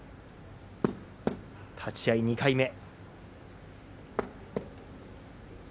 立ち合い２回目。